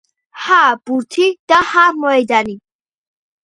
ჰა, ბურთი და ჰა მოედანი.